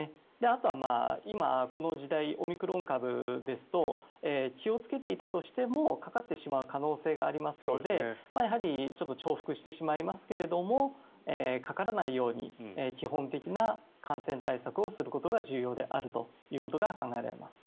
あとは今、この時代オミクロン株ですと気をつけていたとしてもかかってしまう可能性がありますのでやはり重複してしまいますがかからないように基本的な感染対策をすることが重要であるということが考えられます。